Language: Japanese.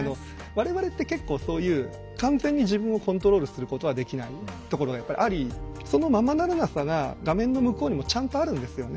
我々って結構そういう完全に自分をコントロールすることはできないところがやっぱりありその「ままならなさ」が画面の向こうにもちゃんとあるんですよね。